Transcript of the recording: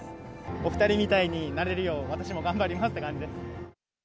お２人みたいになれるよう、私も頑張りますって感じです。